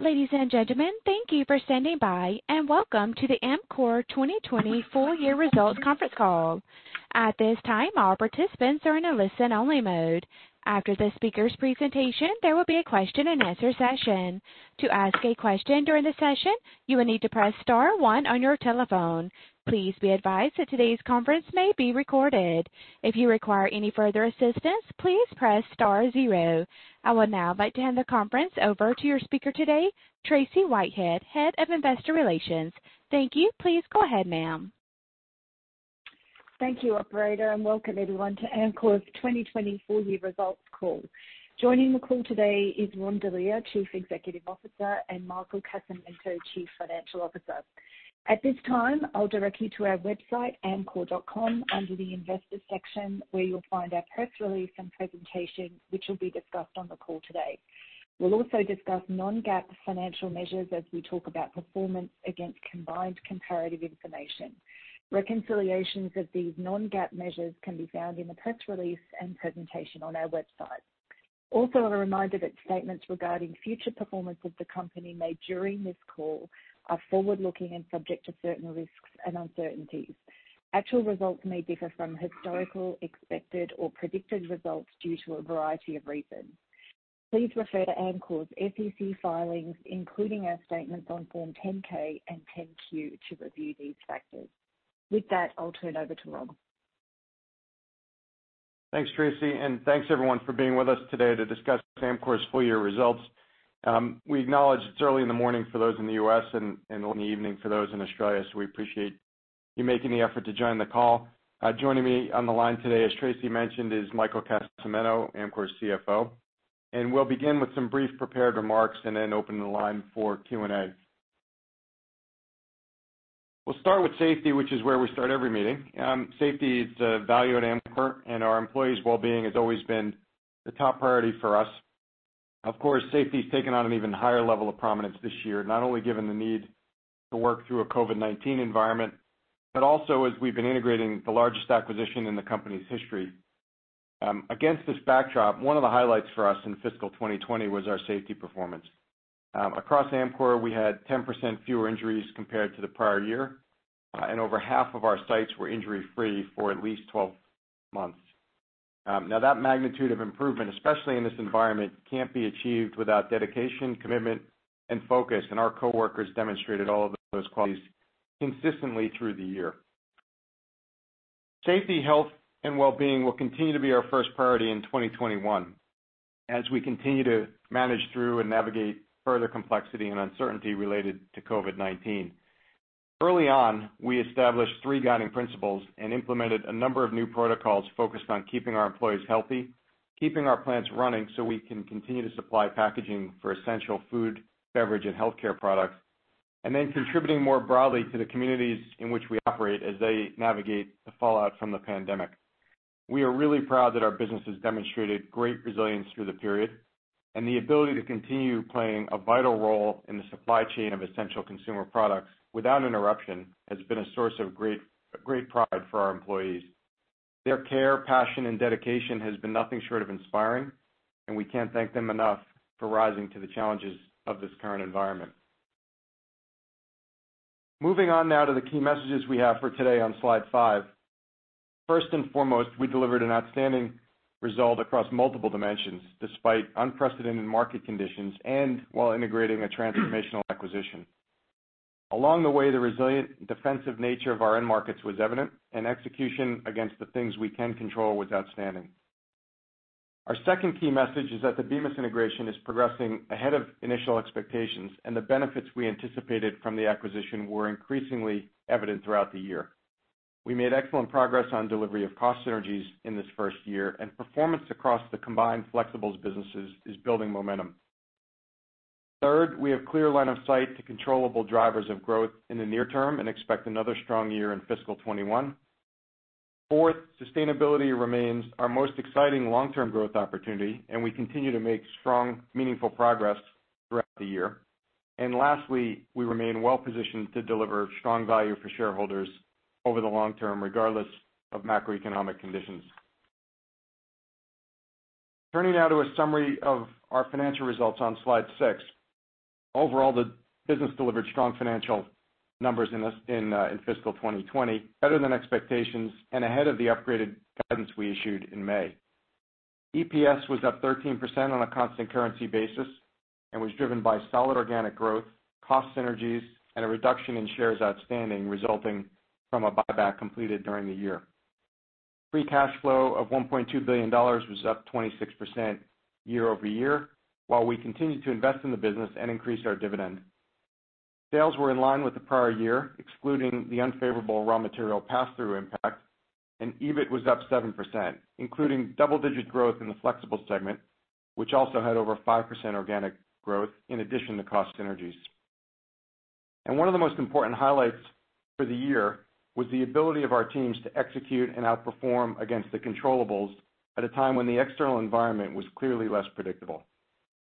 Ladies and gentlemen, thank you for standing by, and welcome to the Amcor 2020 full year results conference call. At this time, all participants are in a listen-only mode. After the speaker's presentation, there will be a question-and-answer session. To ask a question during the session, you will need to press star one on your telephone. Please be advised that today's conference may be recorded. If you require any further assistance, please press star zero. I would now like to hand the conference over to your speaker today, Tracey Whitehead, Head of Investor Relations. Thank you. Please go ahead, ma'am. Thank you, operator, and welcome everyone to Amcor's 2020 full year results call. Joining the call today is Ron Delia, Chief Executive Officer, and Michael Casamento, Chief Financial Officer. At this time, I'll direct you to our website, amcor.com, under the investor section, where you'll find our press release and presentation, which will be discussed on the call today. We'll also discuss non-GAAP financial measures as we talk about performance against combined comparative information. Reconciliations of these non-GAAP measures can be found in the press release and presentation on our website. Also, a reminder that statements regarding future performance of the company made during this call are forward-looking and subject to certain risks and uncertainties. Actual results may differ from historical, expected, or predicted results due to a variety of reasons. Please refer to Amcor's SEC filings, including our statements on Form 10-K and 10-Q, to review these factors. With that, I'll turn it over to Ron. Thanks, Tracy, and thanks everyone for being with us today to discuss Amcor's full year results. We acknowledge it's early in the morning for those in the U.S. and in the evening for those in Australia, so we appreciate you making the effort to join the call. Joining me on the line today, as Tracy mentioned, is Michael Casamento, Amcor's CFO, and we'll begin with some brief prepared remarks and then open the line for Q&A. We'll start with safety, which is where we start every meeting. Safety is a value at Amcor, and our employees' well-being has always been the top priority for us. Of course, safety has taken on an even higher level of prominence this year, not only given the need to work through a COVID-19 environment, but also as we've been integrating the largest acquisition in the company's history. Against this backdrop, one of the highlights for us in fiscal 2020 was our safety performance. Across Amcor, we had 10% fewer injuries compared to the prior year, and over half of our sites were injury-free for at least 12 months. Now, that magnitude of improvement, especially in this environment, can't be achieved without dedication, commitment, and focus, and our coworkers demonstrated all of those qualities consistently through the year. Safety, health, and well-being will continue to be our first priority in 2021 as we continue to manage through and navigate further complexity and uncertainty related to COVID-19. Early on, we established three guiding principles and implemented a number of new protocols focused on keeping our employees healthy, keeping our plants running so we can continue to supply packaging for essential food, beverage, and healthcare products, and then contributing more broadly to the communities in which we operate as they navigate the fallout from the pandemic. We are really proud that our business has demonstrated great resilience through the period, and the ability to continue playing a vital role in the supply chain of essential consumer products without interruption has been a source of great, great pride for our employees. Their care, passion, and dedication has been nothing short of inspiring, and we can't thank them enough for rising to the challenges of this current environment. Moving on now to the key messages we have for today on slide five. First and foremost, we delivered an outstanding result across multiple dimensions, despite unprecedented market conditions and while integrating a transformational acquisition. Along the way, the resilient defensive nature of our end markets was evident, and execution against the things we can control was outstanding. Our second key message is that the Bemis integration is progressing ahead of initial expectations, and the benefits we anticipated from the acquisition were increasingly evident throughout the year. We made excellent progress on delivery of cost synergies in this first year, and performance across the combined Flexibles businesses is building momentum. Third, we have clear line of sight to controllable drivers of growth in the near term and expect another strong year in fiscal 2021. Fourth, sustainability remains our most exciting long-term growth opportunity, and we continue to make strong, meaningful progress throughout the year. Lastly, we remain well positioned to deliver strong value for shareholders over the long term, regardless of macroeconomic conditions. Turning now to a summary of our financial results on slide six. Overall, the business delivered strong financial numbers in this fiscal 2020, better than expectations and ahead of the upgraded guidance we issued in May. EPS was up 13% on a constant currency basis and was driven by solid organic growth, cost synergies, and a reduction in shares outstanding, resulting from a buyback completed during the year. Free cash flow of $1.2 billion was up 26% year over year, while we continued to invest in the business and increase our dividend. Sales were in line with the prior year, excluding the unfavorable raw material pass-through impact, and EBIT was up 7%, including double-digit growth in the Flexibles segment, which also had over 5% organic growth in addition to cost synergies, and one of the most important highlights for the year was the ability of our teams to execute and outperform against the controllables at a time when the external environment was clearly less predictable.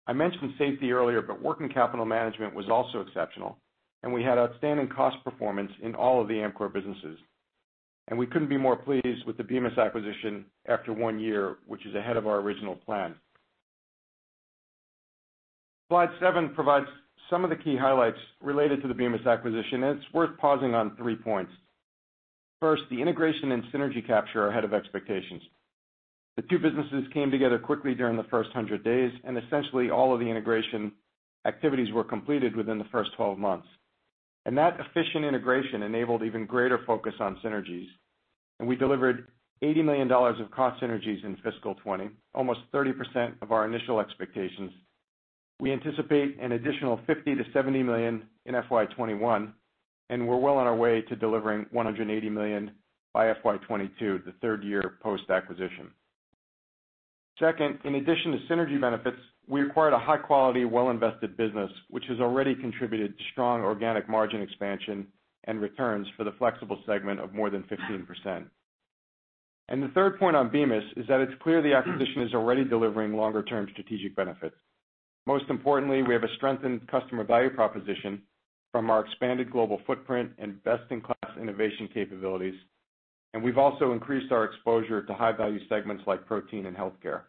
I mentioned safety earlier, but working capital management was also exceptional, and we had outstanding cost performance in all of the Amcor businesses, and we couldn't be more pleased with the Bemis acquisition after one year, which is ahead of our original plan. Slide 7 provides some of the key highlights related to the Bemis acquisition, and it's worth pausing on 3 points. First, the integration and synergy capture are ahead of expectations. The two businesses came together quickly during the first 100 days, and essentially, all of the integration activities were completed within the first 12 months, and that efficient integration enabled even greater focus on synergies, and we delivered $80 million of cost synergies in fiscal 2020, almost 30% of our initial expectations. We anticipate an additional $50 million-$70 million in FY 2021, and we're well on our way to delivering $180 million by FY 2022, the third year post-acquisition. Second, in addition to synergy benefits, we acquired a high-quality, well-invested business, which has already contributed to strong organic margin expansion and returns for the Flexibles segment of more than 15%, and the third point on Bemis is that it's clear the acquisition is already delivering longer-term strategic benefits. Most importantly, we have a strengthened customer value proposition from our expanded global footprint and best-in-class innovation capabilities, and we've also increased our exposure to high-value segments like protein and healthcare,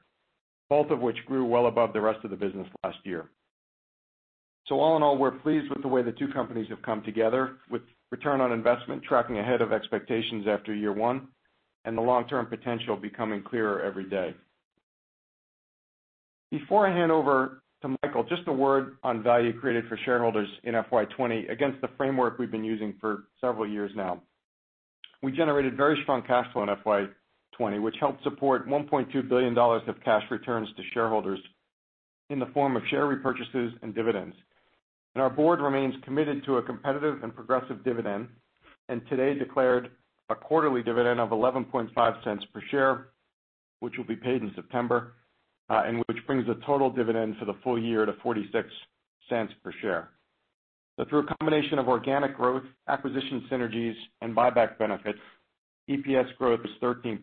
both of which grew well above the rest of the business last year. So all in all, we're pleased with the way the two companies have come together with return on investment, tracking ahead of expectations after year one and the long-term potential becoming clearer every day. Before I hand over to Michael, just a word on value created for shareholders in FY 2020 against the framework we've been using for several years now. We generated very strong cash flow in FY 2020, which helped support $1.2 billion of cash returns to shareholders in the form of share repurchases and dividends. And our board remains committed to a competitive and progressive dividend, and today declared a quarterly dividend of $0.115 per share, which will be paid in September, and which brings the total dividend for the full year to $0.46 per share. So through a combination of organic growth, acquisition synergies, and buyback benefits, EPS growth is 13%,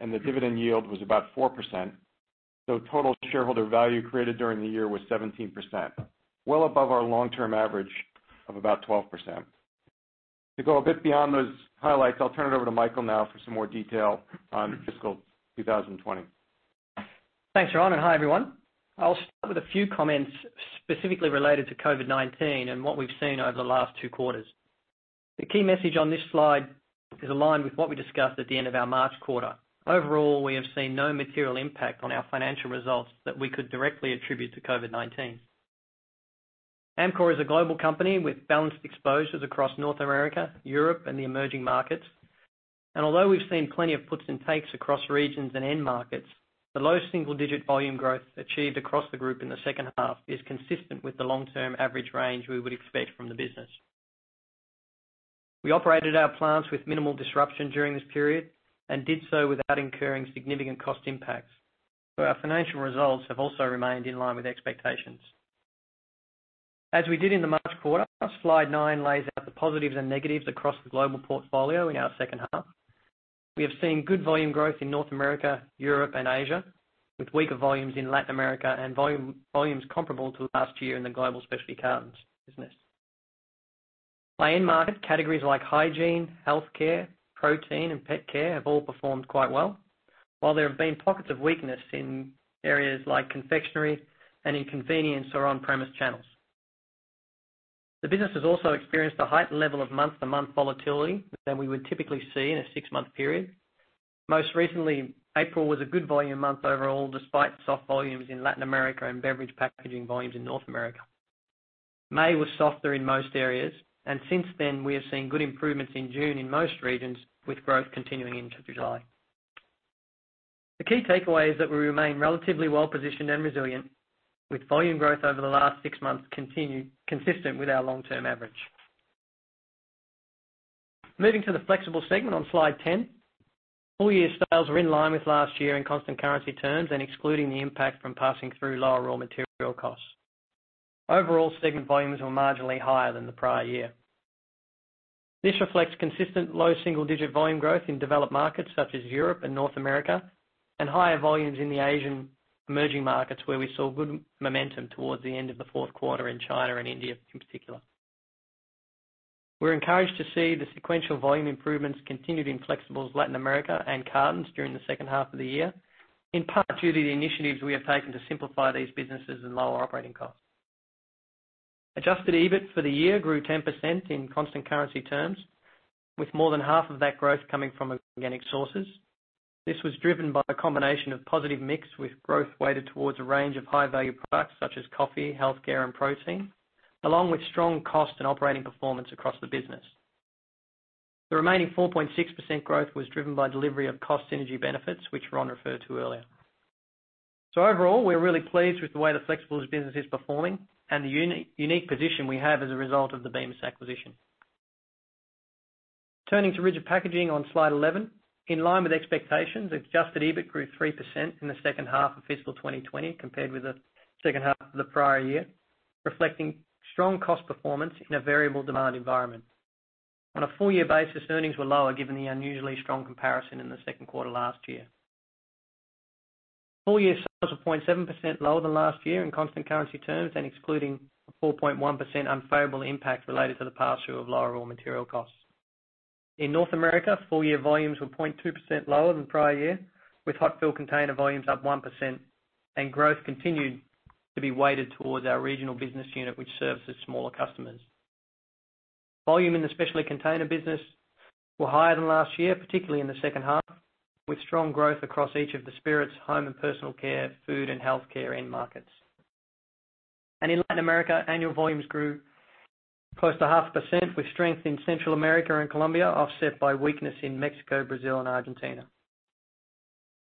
and the dividend yield was about 4%, so total shareholder value created during the year was 17%, well above our long-term average of about 12%. To go a bit beyond those highlights, I'll turn it over to Michael now for some more detail on fiscal 2020. Thanks, Ron, and hi, everyone. I'll start with a few comments specifically related to COVID-19 and what we've seen over the last two quarters. The key message on this slide is aligned with what we discussed at the end of our March quarter. Overall, we have seen no material impact on our financial results that we could directly attribute to COVID-19. Amcor is a global company with balanced exposures across North America, Europe, and the emerging markets. And although we've seen plenty of puts and takes across regions and end markets, the low single-digit volume growth achieved across the group in the second half is consistent with the long-term average range we would expect from the business. We operated our plants with minimal disruption during this period and did so without incurring significant cost impacts, so our financial results have also remained in line with expectations. As we did in the March quarter, slide nine lays out the positives and negatives across the global portfolio in our second half. We have seen good volume growth in North America, Europe, and Asia, with weaker volumes in Latin America and volumes comparable to last year in the global Specialty Cartons business. By end market, categories like hygiene, healthcare, protein, and pet care have all performed quite well, while there have been pockets of weakness in areas like confectionery and in convenience or on-premise channels. The business has also experienced a heightened level of month-to-month volatility than we would typically see in a six-month period. Most recently, April was a good volume month overall, despite soft volumes in Latin America and beverage packaging volumes in North America. May was softer in most areas, and since then, we have seen good improvements in June in most regions, with growth continuing into July. The key takeaway is that we remain relatively well-positioned and resilient, with volume growth over the last six months consistent with our long-term average. Moving to the Flexibles segment on slide 10, full-year sales were in line with last year in constant currency terms and excluding the impact from passing through lower raw material costs. Overall, segment volumes were marginally higher than the prior year. This reflects consistent low single-digit volume growth in developed markets such as Europe and North America, and higher volumes in the Asian emerging markets, where we saw good momentum towards the end of the fourth quarter in China and India in particular. We're encouraged to see the sequential volume improvements continued in Flexibles Latin America and cartons during the second half of the year, in part due to the initiatives we have taken to simplify these businesses and lower operating costs. Adjusted EBIT for the year grew 10% in constant currency terms, with more than half of that growth coming from organic sources. This was driven by a combination of positive mix, with growth weighted towards a range of high-value products such as coffee, healthcare, and protein, along with strong cost and operating performance across the business. The remaining 4.6% growth was driven by delivery of cost synergy benefits, which Ron referred to earlier. So overall, we're really pleased with the way the Flexibles business is performing and the unique position we have as a result of the Bemis acquisition. Turning to Rigid Packaging on slide 11. In line with expectations, adjusted EBIT grew 3% in the second half of fiscal 2020, compared with the second half of the prior year, reflecting strong cost performance in a variable demand environment. On a full year basis, earnings were lower, given the unusually strong comparison in the second quarter last year. Full year sales were 0.7% lower than last year in constant currency terms and excluding the 4.1% unfavorable impact related to the pass-through of lower raw material costs. In North America, full year volumes were 0.2% lower than prior year, with hot fill container volumes up 1%, and growth continued to be weighted towards our regional business unit, which serves the smaller customers. Volumes in the Specialty Containers business was higher than last year, particularly in the second half, with strong growth across each of the spirits, home and personal care, food, and healthcare end markets and in Latin America, annual volumes grew close to 0.5%, with strength in Central America and Colombia, offset by weakness in Mexico, Brazil, and Argentina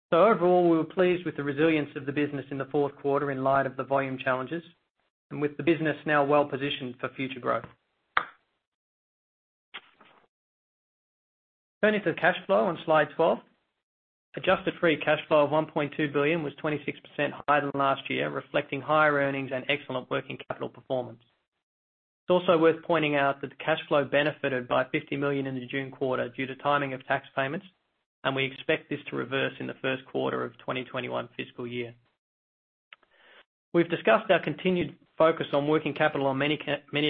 so overall, we were pleased with the resilience of the business in the fourth quarter in light of the volume challenges, and with the business now well positioned for future growth. Turning to cash flow on slide 12, adjusted free cash flow of $1.2 billion was 26% higher than last year, reflecting higher earnings and excellent working capital performance. It's also worth pointing out that the cash flow benefited by $50 million in the June quarter due to timing of tax payments, and we expect this to reverse in the first quarter of 2021 fiscal year. We've discussed our continued focus on working capital on many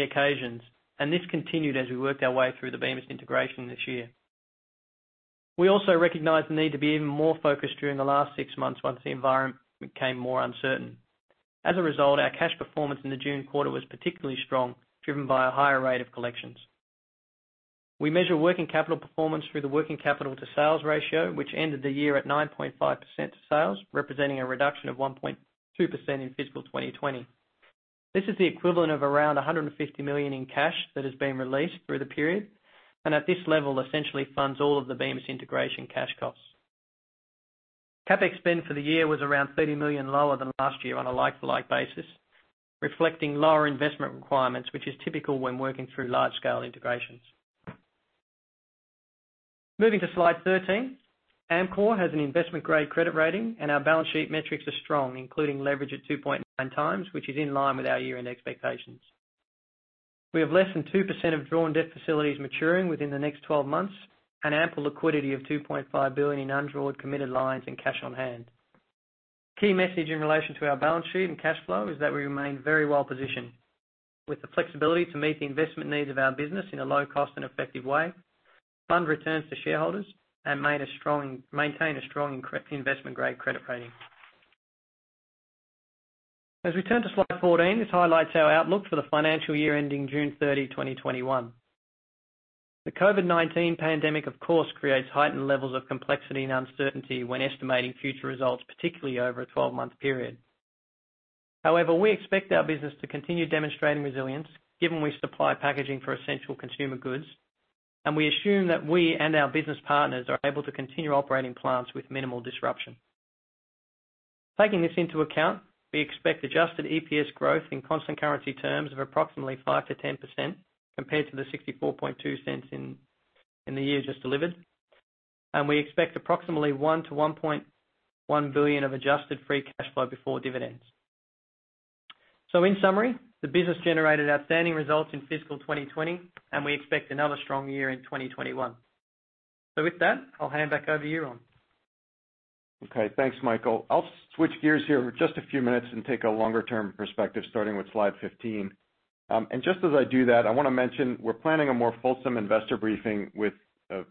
occasions, and this continued as we worked our way through the Bemis integration this year. We also recognized the need to be even more focused during the last six months once the environment became more uncertain. As a result, our cash performance in the June quarter was particularly strong, driven by a higher rate of collections. We measure working capital performance through the working capital to sales ratio, which ended the year at 9.5% to sales, representing a reduction of 1.2% in fiscal 2020. This is the equivalent of around $150 million in cash that has been released through the period, and at this level, essentially funds all of the Bemis integration cash costs. CapEx spend for the year was around $30 million lower than last year on a like-for-like basis, reflecting lower investment requirements, which is typical when working through large-scale integrations. Moving to slide 13, Amcor has an investment-grade credit rating, and our balance sheet metrics are strong, including leverage at 2.9 times, which is in line with our year-end expectations. We have less than 2% of drawn debt facilities maturing within the next 12 months, and ample liquidity of $2.5 billion in undrawn committed lines and cash on hand. Key message in relation to our balance sheet and cash flow is that we remain very well positioned, with the flexibility to meet the investment needs of our business in a low cost and effective way, fund returns to shareholders, and maintain a strong investment-grade credit rating. As we turn to slide fourteen, this highlights our outlook for the financial year ending June thirty, 2021. The COVID-19 pandemic, of course, creates heightened levels of complexity and uncertainty when estimating future results, particularly over a twelve-month period. However, we expect our business to continue demonstrating resilience, given we supply packaging for essential consumer goods, and we assume that we and our business partners are able to continue operating plants with minimal disruption. Taking this into account, we expect adjusted EPS growth in constant currency terms of approximately 5%-10% compared to the $0.642 in the year just delivered. And we expect approximately $1-$1.1 billion of adjusted free cash flow before dividends. So in summary, the business generated outstanding results in fiscal 2020, and we expect another strong year in 2021. So with that, I'll hand back over to you, Ron. Okay, thanks, Michael. I'll switch gears here for just a few minutes and take a longer-term perspective, starting with slide 15, and just as I do that, I wanna mention, we're planning a more fulsome investor briefing with a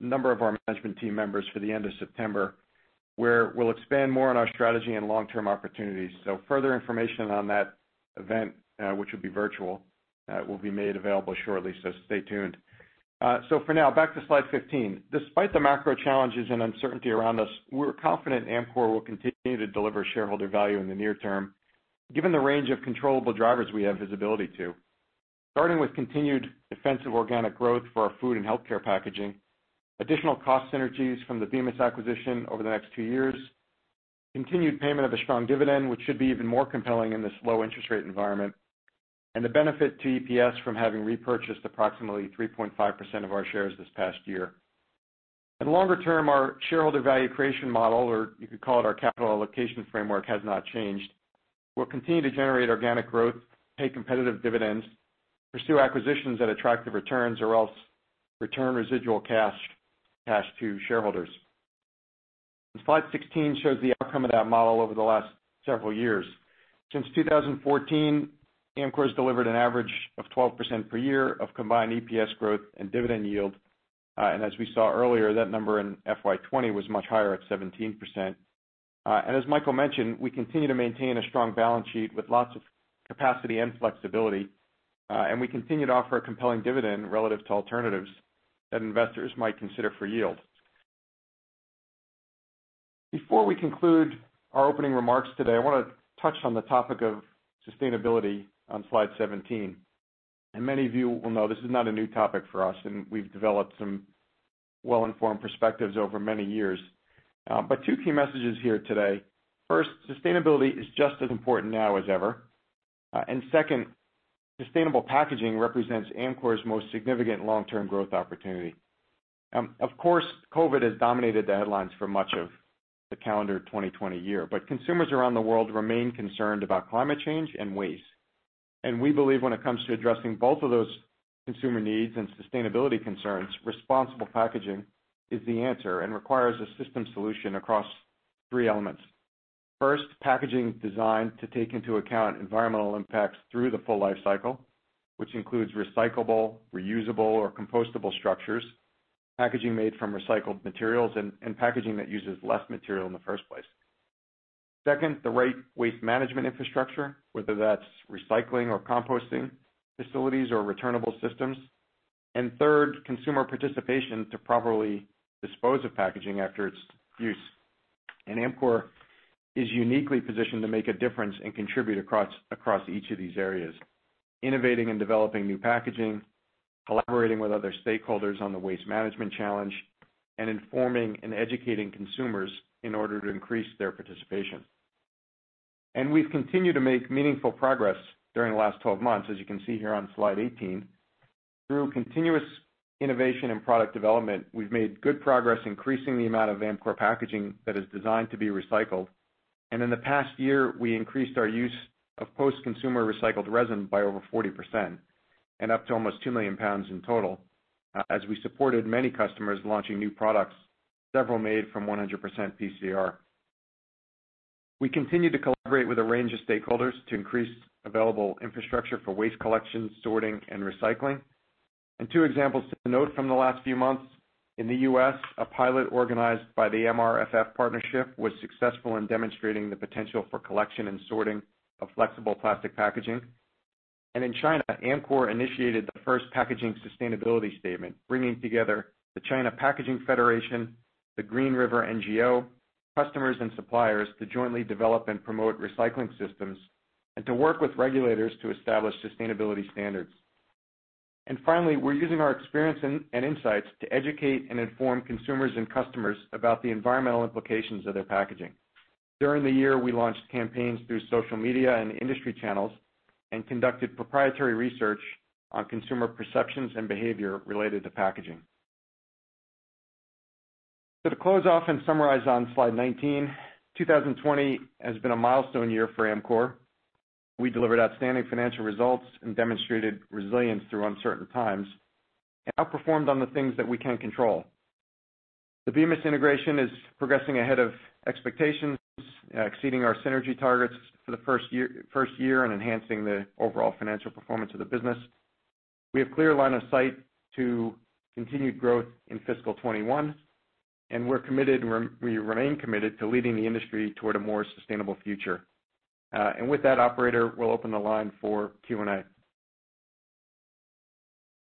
number of our management team members for the end of September, where we'll expand more on our strategy and long-term opportunities, so further information on that event, which will be virtual, will be made available shortly, so stay tuned, so for now, back to slide 15. Despite the macro challenges and uncertainty around us, we're confident Amcor will continue to deliver shareholder value in the near term, given the range of controllable drivers we have visibility to. Starting with continued defensive organic growth for our food and healthcare packaging, additional cost synergies from the Bemis acquisition over the next two years, continued payment of a strong dividend, which should be even more compelling in this low interest rate environment, and the benefit to EPS from having repurchased approximately 3.5% of our shares this past year. In the longer term, our shareholder value creation model, or you could call it our capital allocation framework, has not changed. We'll continue to generate organic growth, pay competitive dividends, pursue acquisitions that attract the returns or else return residual cash, cash to shareholders. Slide 16 shows the outcome of that model over the last several years. Since two thousand and fourteen, Amcor has delivered an average of 12% per year of combined EPS growth and dividend yield. And as we saw earlier, that number in FY 2020 was much higher at 17%. And as Michael mentioned, we continue to maintain a strong balance sheet with lots of capacity and flexibility, and we continue to offer a compelling dividend relative to alternatives that investors might consider for yield. Before we conclude our opening remarks today, I wanna touch on the topic of sustainability on slide 17. And many of you will know this is not a new topic for us, and we've developed some well-informed perspectives over many years. But two key messages here today. First, sustainability is just as important now as ever. And second, sustainable packaging represents Amcor's most significant long-term growth opportunity. Of course, COVID has dominated the headlines for much of the calendar 2020 year, but consumers around the world remain concerned about climate change and waste. We believe when it comes to addressing both of those consumer needs and sustainability concerns, responsible packaging is the answer and requires a system solution across three elements. First, packaging designed to take into account environmental impacts through the full life cycle, which includes recyclable, reusable, or compostable structures, packaging made from recycled materials, and packaging that uses less material in the first place. Second, the right waste management infrastructure, whether that's recycling or composting facilities or returnable systems. Third, consumer participation to properly dispose of packaging after its use. Amcor is uniquely positioned to make a difference and contribute across each of these areas, innovating and developing new packaging, collaborating with other stakeholders on the waste management challenge, and informing and educating consumers in order to increase their participation. We've continued to make meaningful progress during the last 12 months, as you can see here on slide 18. Through continuous innovation and product development, we've made good progress increasing the amount of Amcor packaging that is designed to be recycled. In the past year, we increased our use of post-consumer recycled resin by over 40% and up to almost 2 million lbs in total, as we supported many customers launching new products, several made from 100% PCR. We continue to collaborate with a range of stakeholders to increase available infrastructure for waste collection, sorting, and recycling. And two examples to note from the last few months: in the U.S., a pilot organized by the MRFF partnership was successful in demonstrating the potential for collection and sorting of flexible plastic packaging. And in China, Amcor initiated the first packaging sustainability statement, bringing together the China Packaging Federation, the Green River NGO, customers and suppliers to jointly develop and promote recycling systems and to work with regulators to establish sustainability standards. And finally, we're using our experience and insights to educate and inform consumers and customers about the environmental implications of their packaging. During the year, we launched campaigns through social media and industry channels and conducted proprietary research on consumer perceptions and behavior related to packaging. So to close off and summarize on slide nineteen, two thousand and twenty has been a milestone year for Amcor. We delivered outstanding financial results and demonstrated resilience through uncertain times and outperformed on the things that we can control. The Bemis integration is progressing ahead of expectations, exceeding our synergy targets for the first year and enhancing the overall financial performance of the business. We have clear line of sight to continued growth in fiscal 2021, and we remain committed to leading the industry toward a more sustainable future. And with that, operator, we'll open the line for Q&A.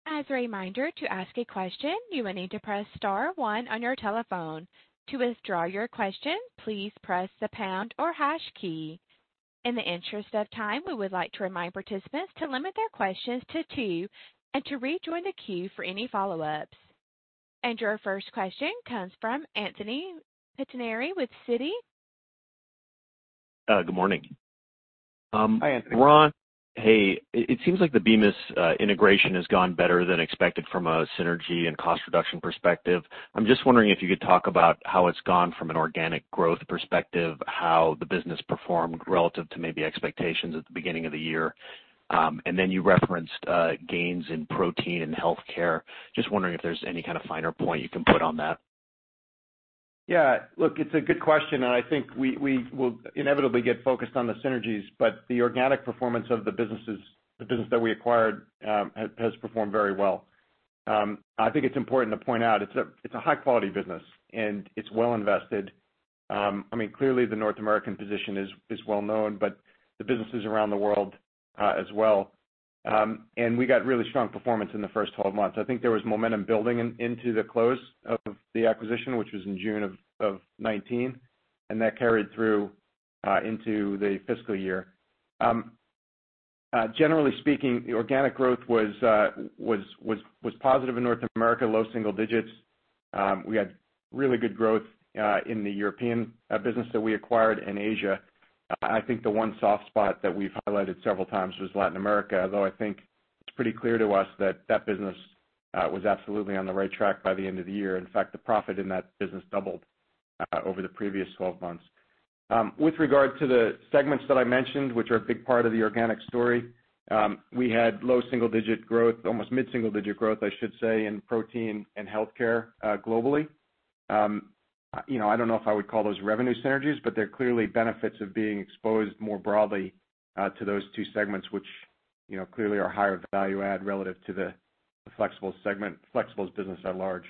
As a reminder, to ask a question, you will need to press star one on your telephone. To withdraw your question, please press the pound or hash key. In the interest of time, we would like to remind participants to limit their questions to two and to rejoin the queue for any follow-ups. And your first question comes from Anthony Pettinari with Citi. Good morning. Hi, Anthony. Ron, hey, it seems like the Bemis integration has gone better than expected from a synergy and cost reduction perspective. I'm just wondering if you could talk about how it's gone from an organic growth perspective, how the business performed relative to maybe expectations at the beginning of the year, and then you referenced gains in protein and healthcare. Just wondering if there's any kind of finer point you can put on that? Yeah, look, it's a good question, and I think we will inevitably get focused on the synergies, but the organic performance of the businesses, the business that we acquired, has performed very well. I think it's important to point out it's a high-quality business, and it's well invested. I mean, clearly, the North American position is well known, but the businesses around the world as well. And we got really strong performance in the first twelve months. I think there was momentum building into the close of the acquisition, which was in June of 2019, and that carried through into the fiscal year. Generally speaking, the organic growth was positive in North America, low single digits. We had really good growth in the European business that we acquired in Asia. I think the one soft spot that we've highlighted several times was Latin America, although I think it's pretty clear to us that that business was absolutely on the right track by the end of the year. In fact, the profit in that business doubled over the previous twelve months. With regard to the segments that I mentioned, which are a big part of the organic story, we had low single digit growth, almost mid-single digit growth, I should say, in protein and healthcare globally. You know, I don't know if I would call those revenue synergies, but they're clearly benefits of being exposed more broadly to those two segments, which, you know, clearly are higher value add relative to the Flexibles segment, Flexibles business at large.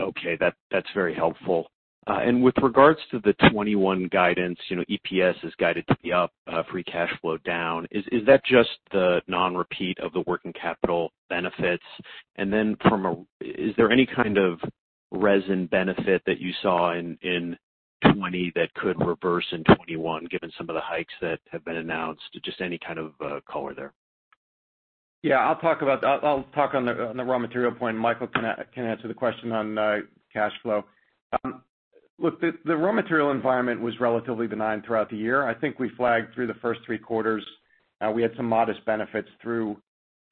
Okay, that, that's very helpful. And with regards to the 2021 guidance, you know, EPS is guided to be up, free cash flow down. Is that just the non-repeat of the working capital benefits? And then is there any kind of resin benefit that you saw in 2020 that could reverse in 2021, given some of the hikes that have been announced? Just any kind of color there. Yeah, I'll talk about the raw material point, and Michael can answer the question on cash flow. Look, the raw material environment was relatively benign throughout the year. I think we flagged through the first three quarters. We had some modest benefits through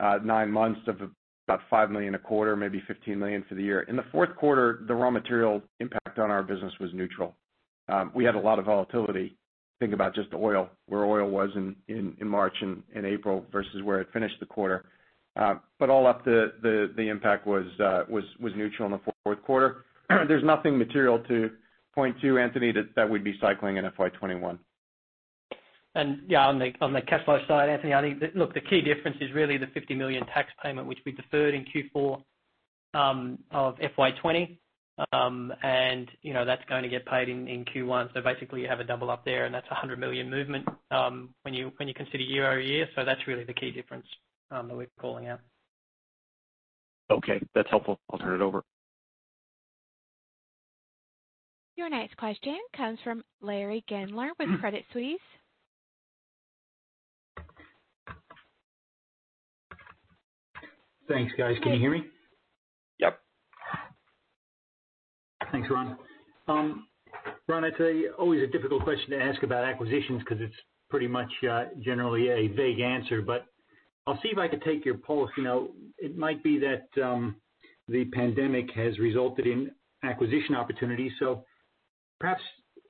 nine months of about $5 million a quarter, maybe $15 million for the year. In the fourth quarter, the raw material impact on our business was neutral. We had a lot of volatility. Think about just oil, where oil was in March and April versus where it finished the quarter. But all up, the impact was neutral in the fourth quarter. There's nothing material to point to, Anthony, that would be cycling in FY 2021. Yeah, on the cash flow side, Anthony, I think, look, the key difference is really the $50 million tax payment, which we deferred in Q4 of FY 2020. And, you know, that's going to get paid in Q1. So basically, you have a double up there, and that's a $100 million movement, when you consider year-over-year. So that's really the key difference that we're calling out. Okay, that's helpful. I'll turn it over. Your next question comes from Larry Gandler with Credit Suisse. Thanks, guys. Can you hear me? Yep. Thanks, Ron. Ron, it's always a difficult question to ask about acquisitions because it's pretty much, generally a vague answer, but I'll see if I can take your pulse. You know, it might be that, the pandemic has resulted in acquisition opportunities. So perhaps,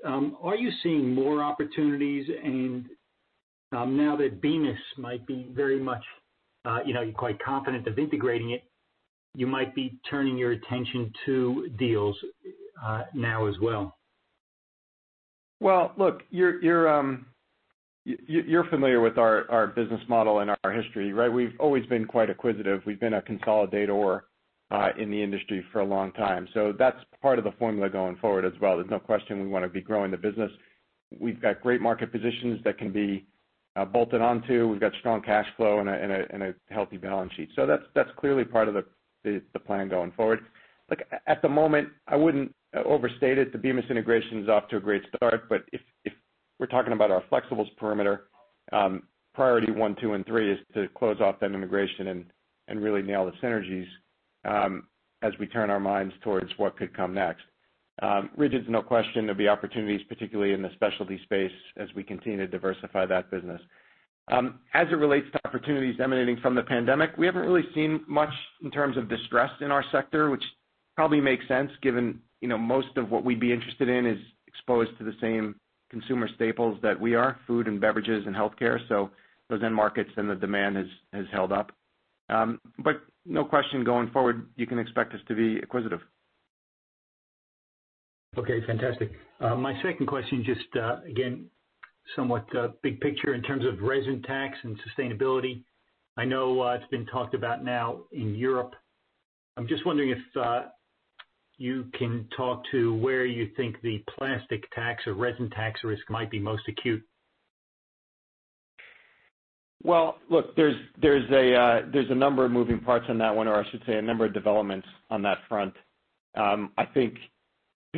are you seeing more opportunities? And, now that Bemis might be very much, you know, you're quite confident of integrating it, you might be turning your attention to deals, now as well. Look, you're familiar with our business model and our history, right? We've always been quite acquisitive. We've been a consolidator in the industry for a long time. So that's part of the formula going forward as well. There's no question we want to be growing the business. We've got great market positions that can be bolted onto. We've got strong cash flow and a healthy balance sheet. So that's clearly part of the plan going forward. Look, at the moment, I wouldn't overstate it. The Bemis integration is off to a great start, but if we're talking about our flexibles perimeter, priority one, two, and three is to close off that integration and really nail the synergies, as we turn our minds towards what could come next. Rigid's no question there'll be opportunities, particularly in the specialty space, as we continue to diversify that business. As it relates to opportunities emanating from the pandemic, we haven't really seen much in terms of distress in our sector, which probably makes sense given, you know, most of what we'd be interested in is exposed to the same consumer staples that we are, food and beverages and healthcare. So those end markets and the demand has held up. But no question, going forward, you can expect us to be acquisitive. Okay, fantastic. My second question, just, again, somewhat, big picture in terms of resin tax and sustainability. I know it's been talked about now in Europe. I'm just wondering if you can talk to where you think the plastic tax or resin tax risk might be most acute. Well, look, there's a number of moving parts on that one, or I should say, a number of developments on that front. I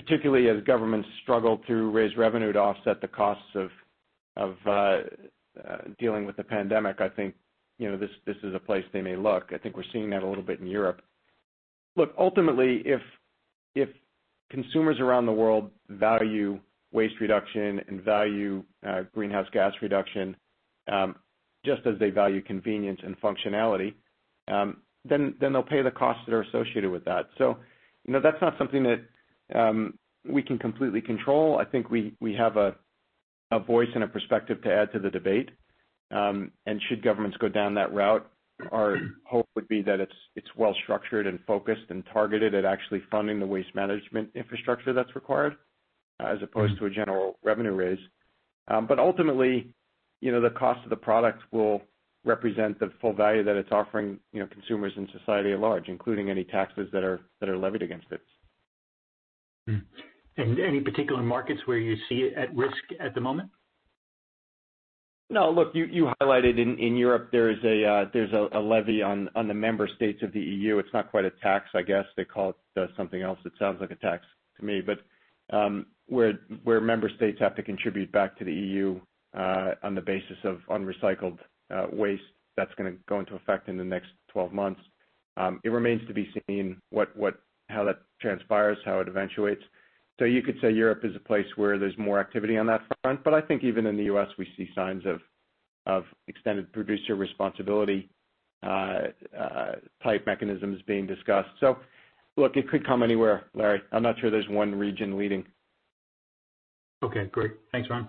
think particularly as governments struggle to raise revenue to offset the costs of dealing with the pandemic, I think, you know, this is a place they may look. I think we're seeing that a little bit in Europe. Look, ultimately, if consumers around the world value waste reduction and value greenhouse gas reduction, just as they value convenience and functionality, then they'll pay the costs that are associated with that. So, you know, that's not something that we can completely control. I think we have a voice and a perspective to add to the debate. And should governments go down that route, our hope would be that it's well structured and focused and targeted at actually funding the waste management infrastructure that's required, as opposed to a general revenue raise. But ultimately, you know, the cost of the product will represent the full value that it's offering, you know, consumers and society at large, including any taxes that are levied against it. Hmm. And any particular markets where you see it at risk at the moment? No. Look, you highlighted in Europe there is a levy on the member states of the EU. It's not quite a tax, I guess. They call it something else that sounds like a tax to me. But where member states have to contribute back to the EU on the basis of unrecycled waste, that's gonna go into effect in the next twelve months. It remains to be seen how that transpires, how it eventuates. So you could say Europe is a place where there's more activity on that front, but I think even in the U.S., we see signs of extended producer responsibility type mechanisms being discussed. So look, it could come anywhere, Larry. I'm not sure there's one region leading. Okay, great. Thanks, Ron.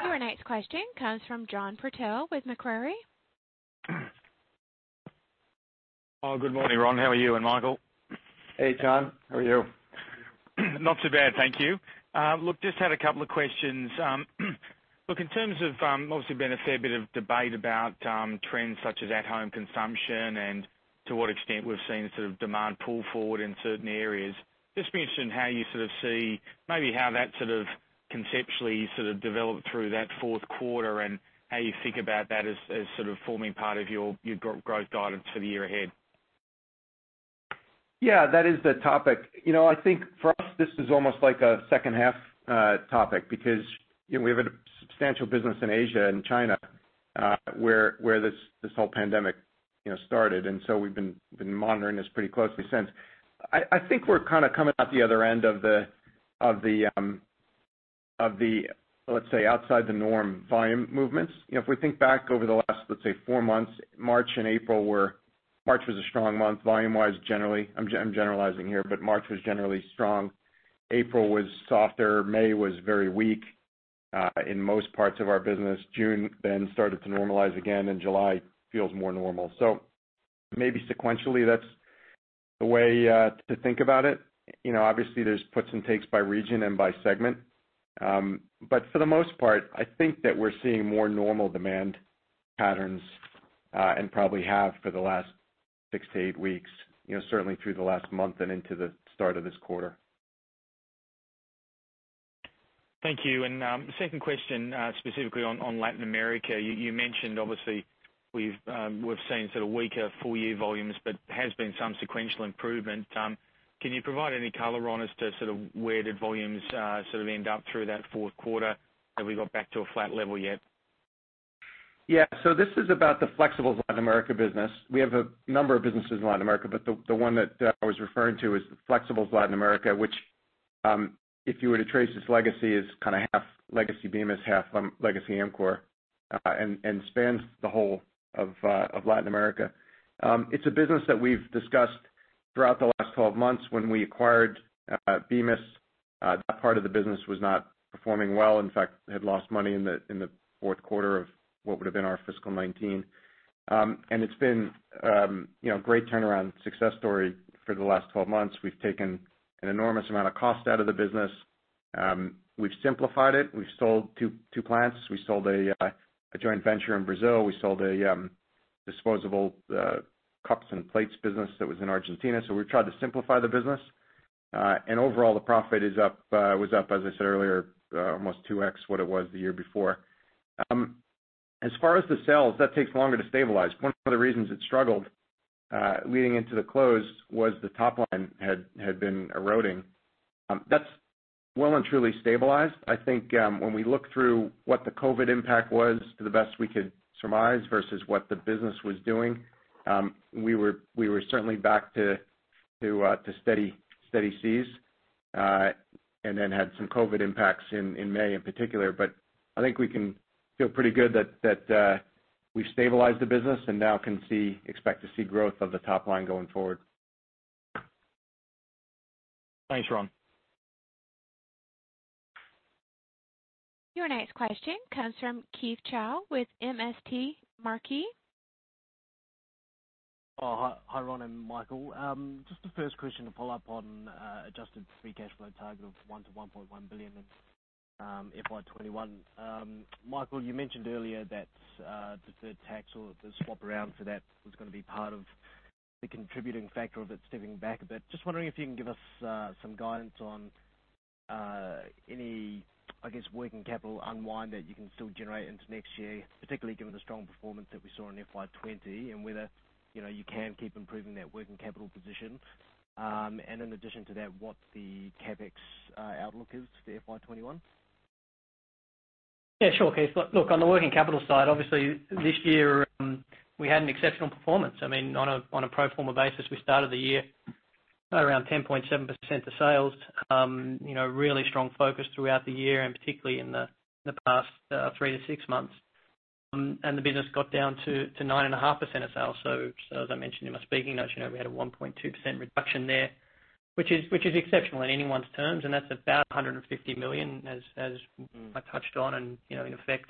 Our next question comes from John Purtell with Macquarie. Oh, good morning, Ron. How are you and Michael? Hey, John. How are you? Not so bad, thank you. Look, just had a couple of questions. Look, in terms of, obviously, been a fair bit of debate about, trends such as at-home consumption and to what extent we've seen sort of demand pull forward in certain areas. Just be interested in how you sort of see maybe how that sort of conceptually sort of developed through that fourth quarter and how you think about that as, as sort of forming part of your, your growth guidance for the year ahead. Yeah, that is the topic. You know, I think for us, this is almost like a second half topic because, you know, we have a substantial business in Asia and China, where this whole pandemic, you know, started, and so we've been monitoring this pretty closely since. I think we're kind of coming out the other end of the, of the, let's say, outside the norm volume movements. You know, if we think back over the last, let's say, four months, March was a strong month volume-wise, generally. I'm generalizing here, but March was generally strong. April was softer. May was very weak in most parts of our business. June then started to normalize again, and July feels more normal. So maybe sequentially, that's the way to think about it. You know, obviously, there's puts and takes by region and by segment but for the most part, I think that we're seeing more normal demand patterns, and probably have for the last six to eight weeks, you know, certainly through the last month and into the start of this quarter. Thank you. And, the second question, specifically on Latin America. You mentioned obviously, we've seen sort of weaker full-year volumes, but has been some sequential improvement. Can you provide any color on as to sort of where the volumes sort of end up through that fourth quarter? Have we got back to a flat level yet? Yeah. So this is about the Flexibles Latin America business. We have a number of businesses in Latin America, but the one that I was referring to is the Flexibles Latin America, which, if you were to trace its legacy, is kind of half legacy Bemis, half legacy Amcor, and spans the whole of Latin America. It's a business that we've discussed throughout the last twelve months when we acquired Bemis. That part of the business was not performing well. In fact, it had lost money in the fourth quarter of what would have been our fiscal 2019, and it's been, you know, great turnaround success story for the last twelve months. We've taken an enormous amount of cost out of the business. We've simplified it. We've sold two plants. We sold a joint venture in Brazil. We sold a disposable cups and plates business that was in Argentina. So we've tried to simplify the business, and overall, the profit is up, was up, as I said earlier, almost two X what it was the year before. As far as the sales, that takes longer to stabilize. One of the reasons it struggled leading into the close was the top line had been eroding. That's well and truly stabilized. I think, when we look through what the COVID impact was, to the best we could surmise versus what the business was doing, we were certainly back to steady seas, and then had some COVID impacts in May in particular. I think we can feel pretty good that we've stabilized the business and now can expect to see growth of the top line going forward. Thanks, Ron. Your next question comes from Keith Chau with MST Marquee. Oh, hi, Ron and Michael. Just the first question to follow up on, adjusted free cash flow target of $1-$1.1 billion in FY 2021. Michael, you mentioned earlier that, the deferred tax or the swap around for that was gonna be part of the contributing factor of it, stepping back a bit. Just wondering if you can give us, some guidance on, any, I guess, working capital unwind that you can still generate into next year, particularly given the strong performance that we saw in FY 2020, and whether, you know, you can keep improving that working capital position. And in addition to that, what the CapEx outlook is for FY 2021? Yeah, sure, Keith. Look, on the working capital side, obviously this year, we had an exceptional performance. I mean, on a pro forma basis, we started the year around 10.7% of sales. You know, really strong focus throughout the year, and particularly in the past three to six months. And the business got down to 9.5% of sales. So as I mentioned in my speaking notes, you know, we had a 1.2% reduction there, which is exceptional in anyone's terms, and that's about $150 million, as- Mm. I touched on, and, you know, in effect,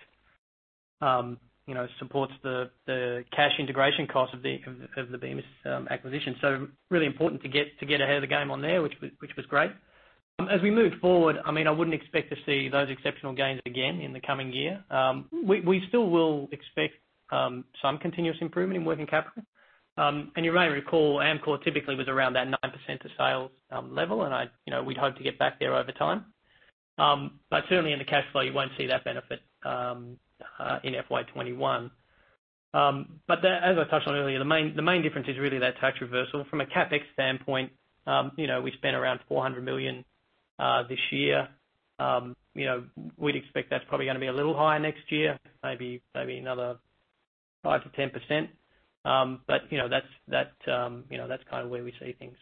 supports the cash integration cost of the Bemis acquisition. So really important to get ahead of the game on there, which was great. As we move forward, I mean, I wouldn't expect to see those exceptional gains again in the coming year. We still will expect some continuous improvement in working capital. And you may recall, Amcor typically was around that 9% of sales level, and you know, we'd hope to get back there over time. But certainly in the cash flow, you won't see that benefit in FY 2021. But then, as I touched on earlier, the main difference is really that tax reversal. From a CapEx standpoint, you know, we spent around $400 million this year. You know, we'd expect that's probably gonna be a little higher next year, maybe another 5%-10%. But, you know, that's kind of where we see things.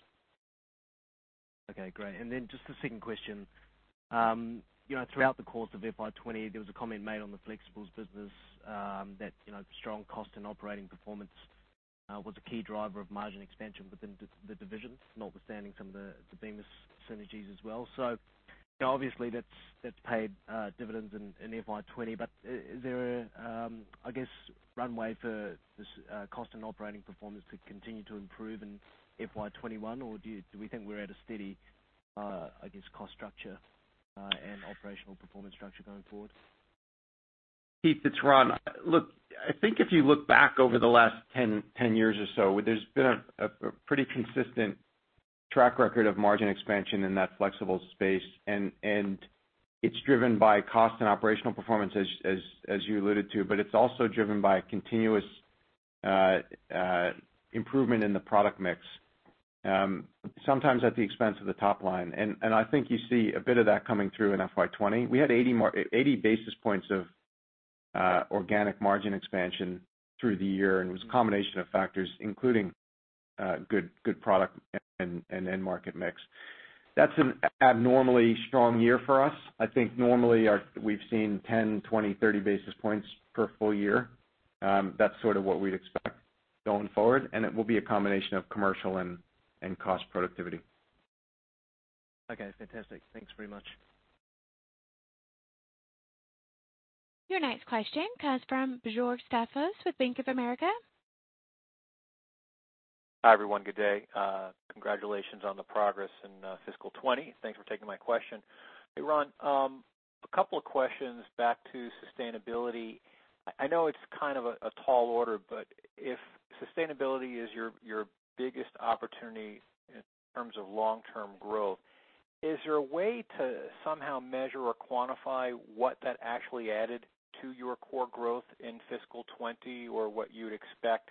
Okay, great. And then just the second question. You know, throughout the course of FY 20, there was a comment made on the Flexibles business, that, you know, strong cost and operating performance was a key driver of margin expansion within the divisions, notwithstanding some of the Bemis synergies as well. So, you know, obviously, that's paid dividends in FY 20, but is there a, I guess, runway for this cost and operating performance to continue to improve in FY 21, or do we think we're at a steady, I guess, cost structure and operational performance structure going forward? Keith, it's Ron. Look, I think if you look back over the last ten years or so, there's been a pretty consistent track record of margin expansion in that Flexibles space, and it's driven by cost and operational performance as you alluded to, but it's also driven by a continuous improvement in the product mix, sometimes at the expense of the top line. And I think you see a bit of that coming through in FY 2020. We had eighty basis points of organic margin expansion through the year, and it was a combination of factors, including good product and end market mix. That's an abnormally strong year for us. I think normally we've seen ten, twenty, thirty basis points per full year. That's sort of what we'd expect going forward, and it will be a combination of commercial and cost productivity. Okay, fantastic. Thanks very much. Your next question comes from George Staphos with Bank of America. Hi, everyone. Good day. Congratulations on the progress in fiscal 2020. Thanks for taking my question. Hey, Ron, a couple of questions back to sustainability. I know it's kind of a tall order, but if sustainability is your biggest opportunity in terms of long-term growth, is there a way to somehow measure or quantify what that actually added to your core growth in fiscal 2020, or what you'd expect,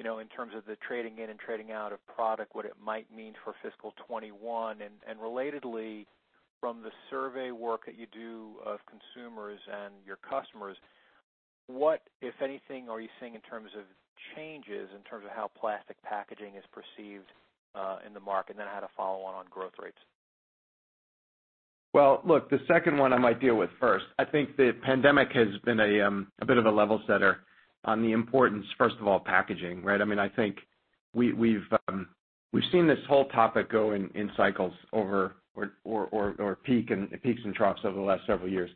you know, in terms of the trading in and trading out of product, what it might mean for fiscal 2021? And relatedly, from the survey work that you do of consumers and your customers, what, if anything, are you seeing in terms of changes in terms of how plastic packaging is perceived in the market? And then I had a follow-on on growth rates. Look, the second one I might deal with first. I think the pandemic has been a bit of a level setter on the importance, first of all, packaging, right? I mean, I think we've seen this whole topic go in cycles over peaks and troughs over the last several years.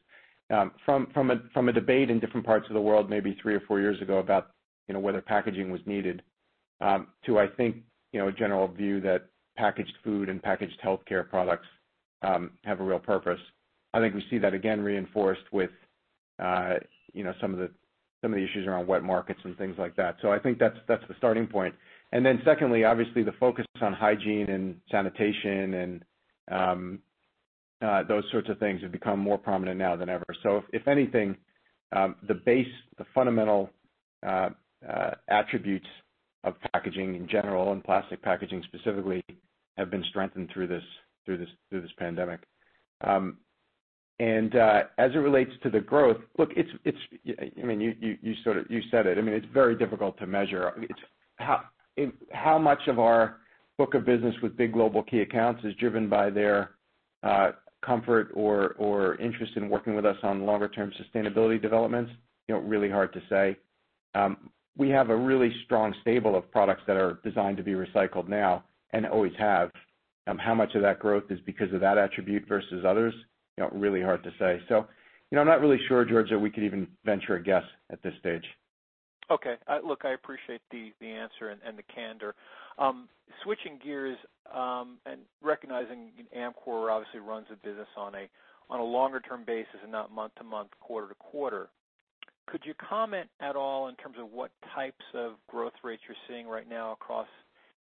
From a debate in different parts of the world maybe three or four years ago, about, you know, whether packaging was needed, to, I think, you know, a general view that packaged food and packaged healthcare products have a real purpose. I think we see that again reinforced with, you know, some of the issues around wet markets and things like that, so I think that's the starting point. And then secondly, obviously, the focus on hygiene and sanitation and those sorts of things have become more prominent now than ever. So if anything, the basic fundamental attributes of packaging in general and plastic packaging specifically have been strengthened through this pandemic. And as it relates to the growth, look, it's I mean, you sort of, you said it, I mean, it's very difficult to measure. It's how much of our book of business with big global key accounts is driven by their comfort or interest in working with us on longer term sustainability developments? You know, really hard to say. We have a really strong stable of products that are designed to be recycled now and always have. How much of that growth is because of that attribute versus others? You know, really hard to say. So, you know, I'm not really sure, George, that we could even venture a guess at this stage. Okay. Look, I appreciate the answer and the candor. Switching gears, and recognizing Amcor obviously runs the business on a longer term basis and not month to month, quarter to quarter. Could you comment at all in terms of what types of growth rates you're seeing right now across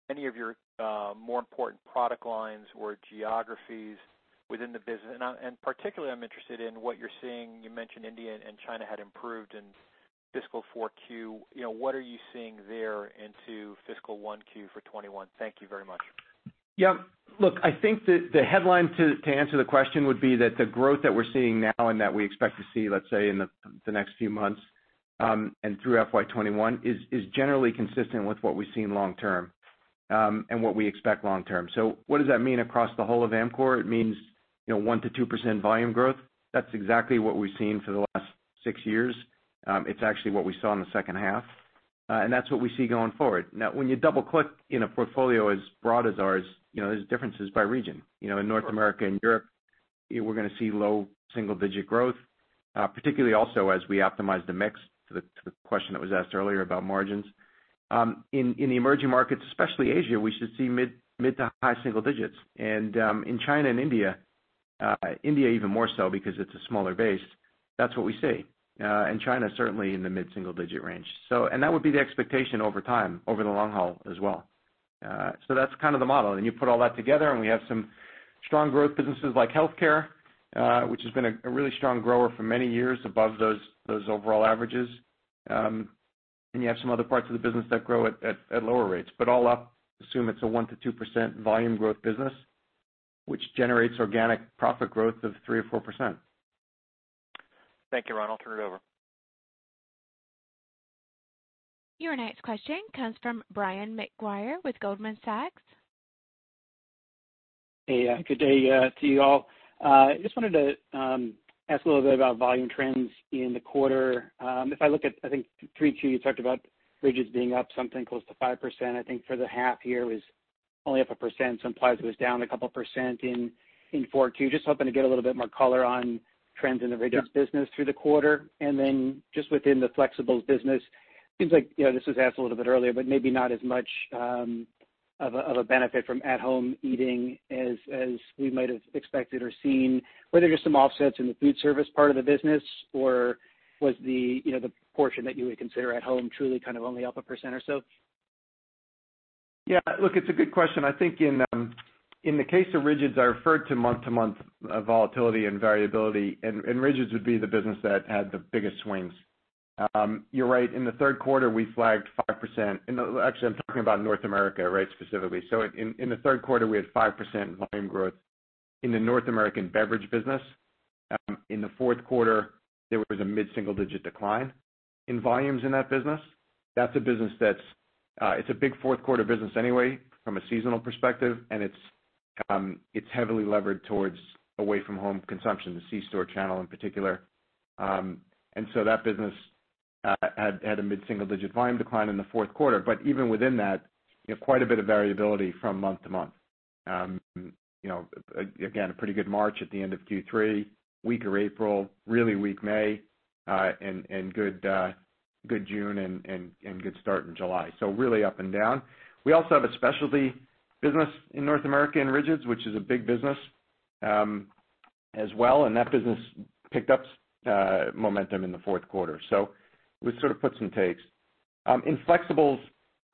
any of your more important product lines or geographies within the business? Particularly, I'm interested in what you're seeing. You mentioned India and China had improved in fiscal four Q. You know, what are you seeing there into fiscal 1Q for 2021? Thank you very much. Yeah. Look, I think the headline to answer the question would be that the growth that we're seeing now and that we expect to see, let's say, in the next few months, and through FY 2021, is generally consistent with what we've seen long term, and what we expect long term. So what does that mean across the whole of Amcor? It means, you know, 1%-2% volume growth. That's exactly what we've seen for the last six years. It's actually what we saw in the second half, and that's what we see going forward. Now, when you double-click in a portfolio as broad as ours, you know, there's differences by region. You know, in North America and Europe, we're gonna see low single digit growth, particularly also as we optimize the mix, to the question that was asked earlier about margins. In the emerging markets, especially Asia, we should see mid to high single digits. In China and India, India even more so because it's a smaller base, that's what we see. China, certainly in the mid-single digit range. So and that would be the expectation over time, over the long haul as well. So that's kind of the model. You put all that together, and we have some strong growth businesses like healthcare, which has been a really strong grower for many years, above those overall averages. You have some other parts of the business that grow at lower rates. But all up, assume it's a 1-2% volume growth business, which generates organic profit growth of 3% or 4%. Thank you, Ron. I'll turn it over. Your next question comes from Brian Maguire with Goldman Sachs. Hey, good day to you all. I just wanted to ask a little bit about volume trends in the quarter. If I look at, I think 3Q, you talked about rigids being up something close to 5%. I think for the half year, it was only up 1%, so implies it was down a couple percent in 4Q. Just hoping to get a little bit more color on trends in the rigids business- Yeah — through the quarter. And then just within the Flexibles business, seems like, you know, this was asked a little bit earlier, but maybe not as much, of a benefit from at-home eating as we might have expected or seen. Were there just some offsets in the food service part of the business, or was the, you know, the portion that you would consider at home truly kind of only up 1% or so? Yeah, look, it's a good question. I think in the case of rigids, I referred to month-to-month volatility and variability, and rigids would be the business that had the biggest swings. You're right, in the third quarter, we flagged 5% and actually, I'm talking about North America, right, specifically. So in the third quarter, we had 5% volume growth in the North American beverage business. In the fourth quarter, there was a mid-single-digit decline in volumes in that business. That's a business that's, it's a big fourth quarter business anyway, from a seasonal perspective, and it's heavily levered towards away from home consumption, the C-store channel in particular, and so that business had a mid-single-digit volume decline in the fourth quarter. But even within that, you have quite a bit of variability from month to month. You know, again, a pretty good March at the end of Q3, weaker April, really weak May, and good June and good start in July. So really up and down. We also have a specialty business in North America, in rigids, which is a big business, as well, and that business picked up momentum in the fourth quarter. So we sort of put some takes. In flexibles,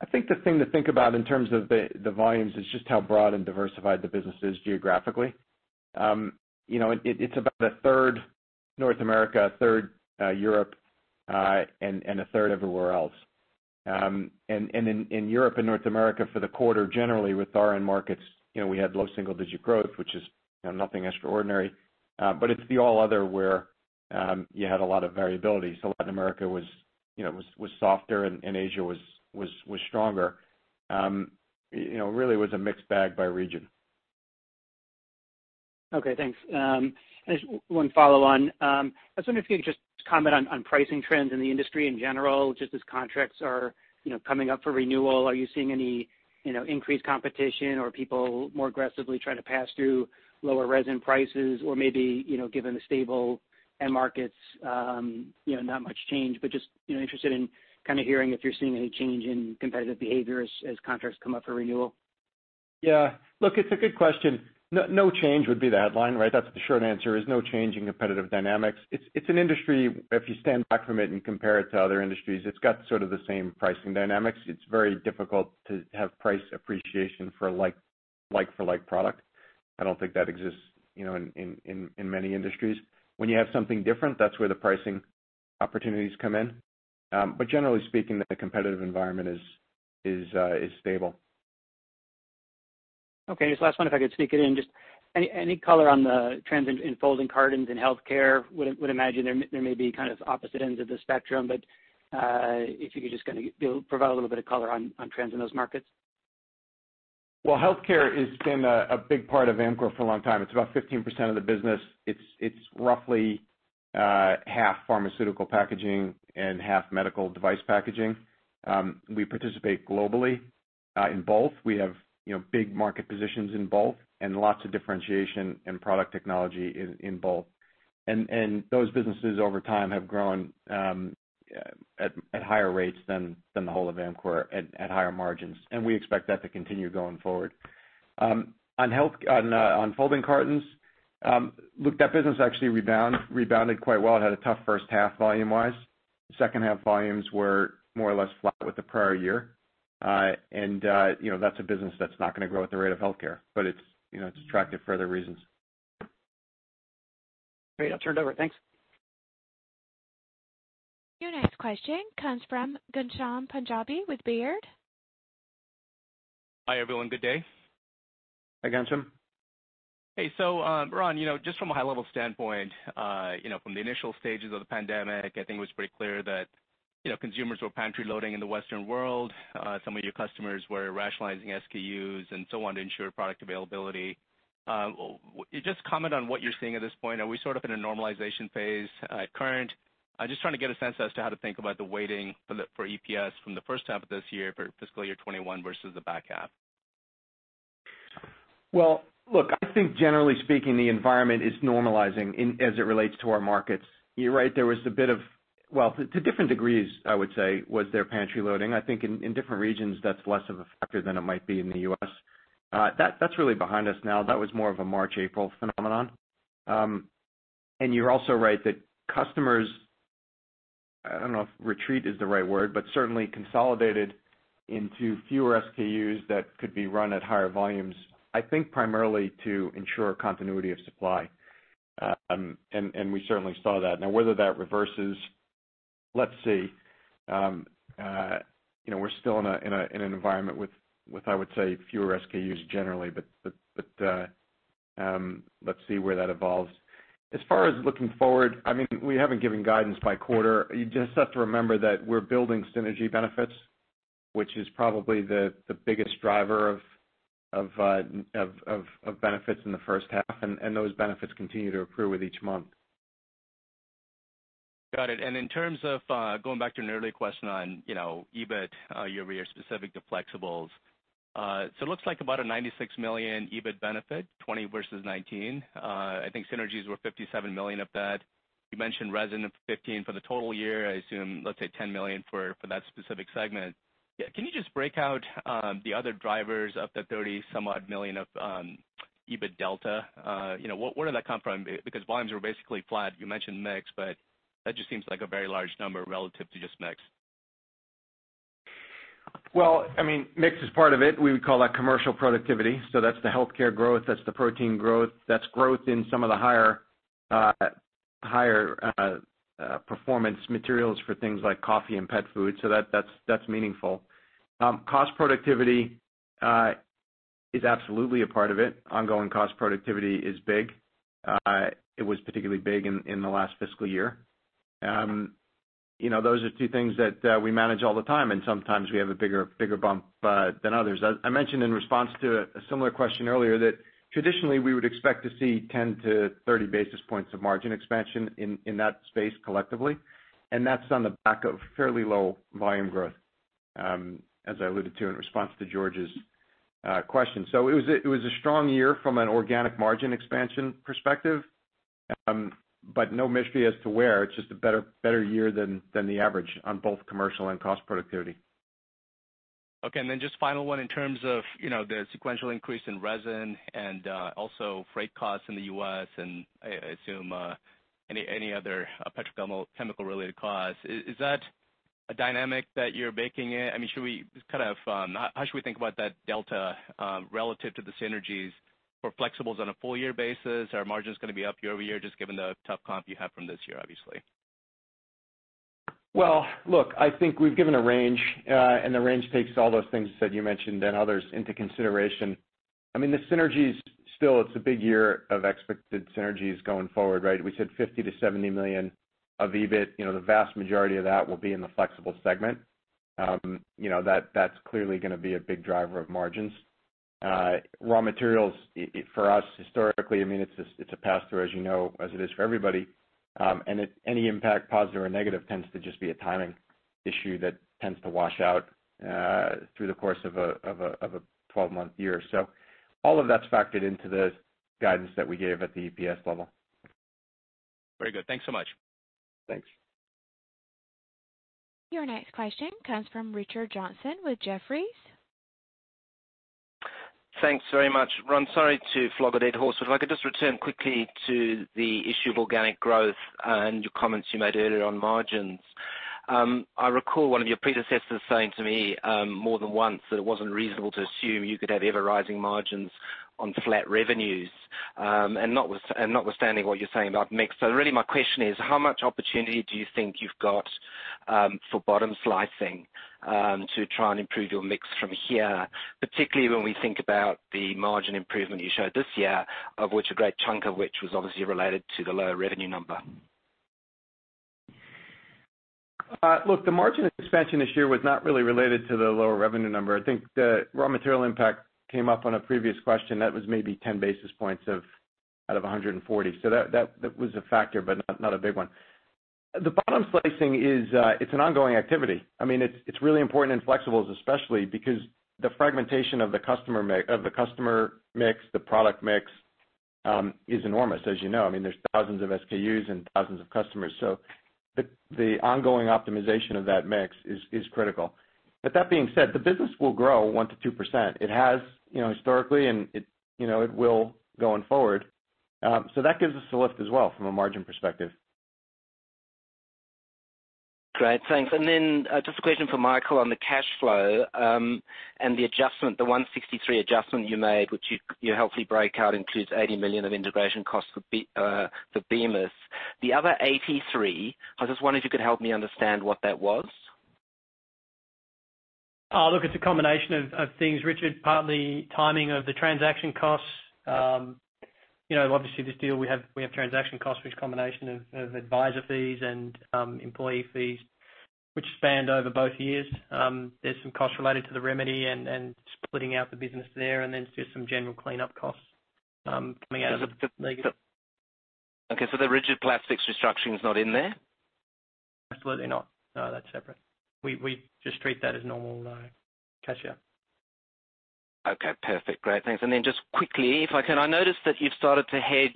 I think the thing to think about in terms of the volumes is just how broad and diversified the business is geographically. You know, it's about a third North America, a third Europe, and a third everywhere else. And in Europe and North America for the quarter, generally with our end markets, you know, we had low single-digit growth, which is, you know, nothing extraordinary. But it's the all other where you had a lot of variability. So Latin America was, you know, softer and Asia was stronger. You know, really was a mixed bag by region. Okay, thanks. Just one follow on. I was wondering if you could just comment on, on pricing trends in the industry in general, just as contracts are, you know, coming up for renewal. Are you seeing any, you know, increased competition or people more aggressively trying to pass through lower resin prices? Or maybe, you know, given the stable end markets, you know, not much change, but just, you know, interested in kind of hearing if you're seeing any change in competitive behavior as, as contracts come up for renewal? Yeah. Look, it's a good question. No change would be the headline, right? That's the short answer, is no change in competitive dynamics. It's an industry, if you stand back from it and compare it to other industries, it's got sort of the same pricing dynamics. It's very difficult to have price appreciation for like-for-like product. I don't think that exists, you know, in many industries. When you have something different, that's where the pricing opportunities come in. But generally speaking, the competitive environment is stable. Okay, just last one, if I could sneak it in. Just any color on the trends in folding cartons in healthcare? Would imagine there may be kind of opposite ends of the spectrum, but if you could just kind of provide a little bit of color on trends in those markets. Healthcare has been a big part of Amcor for a long time. It's about 15% of the business. It's roughly half pharmaceutical packaging and half medical device packaging. We participate globally in both. We have, you know, big market positions in both and lots of differentiation and product technology in both. And those businesses, over time, have grown at higher rates than the whole of Amcor at higher margins, and we expect that to continue going forward. On folding cartons, look, that business actually rebounded quite well. It had a tough first half volume-wise. Second half volumes were more or less flat with the prior year. You know, that's a business that's not gonna grow at the rate of healthcare, but it's, you know, it's attractive for other reasons. Great, I'll turn it over. Thanks. Your next question comes from Ghansham Panjabi with Baird. Hi, everyone. Good day. Hi, Ghansham. Hey, so, Ron, you know, just from a high level standpoint, you know, from the initial stages of the pandemic, I think it was pretty clear that, you know, consumers were pantry loading in the Western world. Some of your customers were rationalizing SKUs and so on to ensure product availability. Just comment on what you're seeing at this point. Are we sort of in a normalization phase, current? I'm just trying to get a sense as to how to think about the weighting for EPS from the first half of this year for fiscal year 2021 versus the back half. Well, look, I think generally speaking, the environment is normalizing in, as it relates to our markets. You're right, there was a bit of... Well, to different degrees, I would say, was their pantry loading. I think in different regions, that's less of a factor than it might be in the U.S. That, that's really behind us now. That was more of a March, April phenomenon. And you're also right that customers, I don't know if retreat is the right word, but certainly consolidated into fewer SKUs that could be run at higher volumes, I think, primarily to ensure continuity of supply. And we certainly saw that. Now, whether that reverses, let's see. You know, we're still in an environment with, I would say, fewer SKUs generally, but, let's see where that evolves. As far as looking forward, I mean, we haven't given guidance by quarter. You just have to remember that we're building synergy benefits, which is probably the biggest driver of benefits in the first half, and those benefits continue to accrue with each month. Got it. And in terms of, going back to an earlier question on, you know, EBIT, year over year, specific to flexibles. So it looks like about a $96 million EBIT benefit, 2020 versus 2019. I think synergies were $57 million of that. You mentioned resin of $15 million for the total year. I assume, let's say, $10 million for that specific segment. Yeah, can you just break out the other drivers of the thirty-some-odd million of EBIT delta? You know, where did that come from? Because volumes were basically flat. You mentioned mix, but that just seems like a very large number relative to just mix. I mean, mix is part of it. We would call that commercial productivity. So that's the healthcare growth, that's the protein growth, that's growth in some of the higher higher performance materials for things like coffee and pet food, so that's meaningful. Cost productivity is absolutely a part of it. Ongoing cost productivity is big. It was particularly big in the last fiscal year. You know, those are two things that we manage all the time, and sometimes we have a bigger bump than others. I mentioned in response to a similar question earlier, that traditionally we would expect to see ten to thirty basis points of margin expansion in that space collectively, and that's on the back of fairly low volume growth, as I alluded to in response to George's question. So it was a strong year from an organic margin expansion perspective, but no mystery as to where. It's just a better year than the average on both commercial and cost productivity. Okay. And then just final one, in terms of, you know, the sequential increase in resin and also freight costs in the U.S., and I assume any other petrochemical-related costs. Is that a dynamic that you're baking in? I mean, should we kind of... How should we think about that delta relative to the synergies for flexibles on a full year basis? Are margins gonna be up year over year, just given the tough comp you have from this year, obviously? Look, I think we've given a range, and the range takes all those things that you mentioned and others into consideration. I mean, the synergies still, it's a big year of expected synergies going forward, right? We said 50-70 million of EBIT, you know, the vast majority of that will be in the Flexibles segment. You know, that's clearly gonna be a big driver of margins. Raw materials, for us, historically, I mean, it's a pass-through, as you know, as it is for everybody. And if any impact, positive or negative, tends to just be a timing issue that tends to wash out through the course of a twelve-month year. So all of that's factored into the guidance that we gave at the EPS level. Very good. Thanks so much. Thanks. Your next question comes from Richard Johnson with Jefferies. Thanks very much. Ron, sorry to flog a dead horse, but if I could just return quickly to the issue of organic growth and your comments you made earlier on margins. I recall one of your predecessors saying to me, more than once, that it wasn't reasonable to assume you could have ever rising margins on flat revenues, and notwithstanding what you're saying about mix. So really, my question is: How much opportunity do you think you've got, for bottom slicing, to try and improve your mix from here, particularly when we think about the margin improvement you showed this year, of which a great chunk was obviously related to the lower revenue number? Look, the margin expansion this year was not really related to the lower revenue number. I think the raw material impact came up on a previous question, that was maybe ten basis points out of 140. So that was a factor, but not a big one. The bottom slicing is an ongoing activity. I mean, it's really important in flexibles, especially because the fragmentation of the customer mix, the product mix, is enormous, as you know. I mean, there's thousands of SKUs and thousands of customers. So the ongoing optimization of that mix is critical. But that being said, the business will grow 1%-2%. It has, you know, historically, and it, you know, it will going forward. So, that gives us a lift as well from a margin perspective. Great, thanks. Then, just a question for Michael on the cash flow, and the adjustment, the $163 adjustment you made, which you hopefully break out, includes $80 million of integration costs for Bemis. The other $83, I was just wondering if you could help me understand what that was? Look, it's a combination of things, Richard, partly timing of the transaction costs. You know, obviously, this deal, we have transaction costs, which is a combination of advisor fees and employee fees, which spanned over both years. There's some costs related to the remedy and splitting out the business there, and then just some general cleanup costs, coming out of the negative. Okay, so the rigid plastics restructuring is not in there? Absolutely not. No, that's separate. We just treat that as normal cash out. Okay, perfect. Great, thanks. And then just quickly, if I can, I noticed that you've started to hedge,